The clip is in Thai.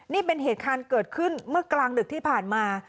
นี่เป็นเหตุการณ์เกิดขึ้นเมื่อกลางดึกที่ผ่านมา